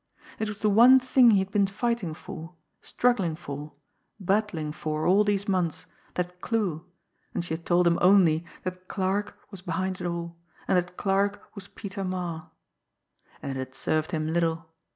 It was the one thing he had been fighting for, struggling for, battling for all these months, that clue and she had told him only that "Clarke" was behind it all, and that "Clarke" was Peter Marre. And it had served him little!